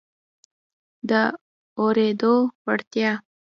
د اورېدو وړتیا